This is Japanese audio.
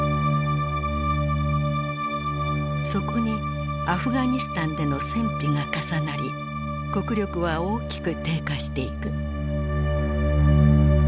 そこにアフガニスタンでの戦費が重なり国力は大きく低下していく。